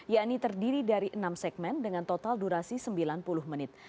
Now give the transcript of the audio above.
yakni terdiri dari enam segmen dengan total durasi sembilan puluh menit